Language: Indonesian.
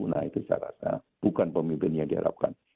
nah itu saya rasa bukan pemimpin yang diharapkan